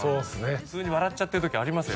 普通に笑っちゃってる時ありますよ